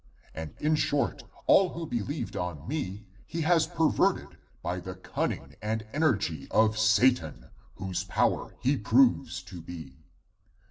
And in short, all who believed on me he has perverted by the cunning and energy of Satan, whose power he proves to be.